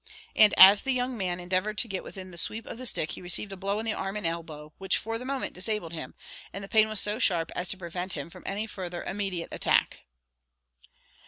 and, as the young man endeavoured to get within the sweep of the stick, he received a blow on the arm and elbow, which, for the moment, disabled him; and the pain was so sharp, as to prevent him from any further immediate attack.